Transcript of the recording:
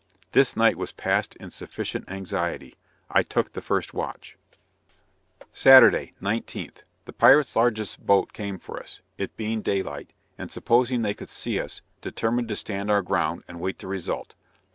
This night was passed in sufficient anxiety I took the first watch. Saturday, 19th. The pirate's largest boat came for us it being day light, and supposing they could see us, determined to stand our ground and wait the result.